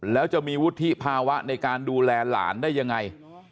แล้วจะมีวุฒิภาวะในการดูแลหลานได้ยังไง